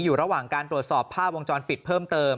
อยู่ระหว่างการตรวจสอบภาพวงจรปิดเพิ่มเติม